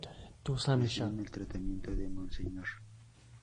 Reciben el tratamiento de Monseñor.